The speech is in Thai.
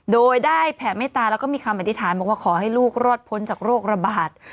โดยได้แผ่เมตตาแล้วก็มีคำอธิษฐานบอกว่าขอให้ลูกรอดพ้นจากโรคระบาด